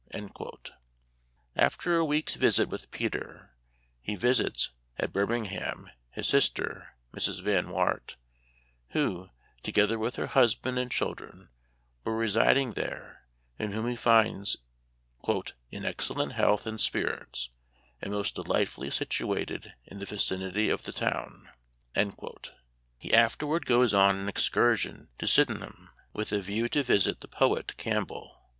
After a week's visit with Peter, he visits, at Birmingham, his sister, Mrs. Van Wart, who, together with her husband and children, were residing there, and whom he finds " in excellent health and spirits, and most delightfully situated in the vicinity of the town." He afterward goes on an excursion to Syden ham, with a view to visit the poet Campbell.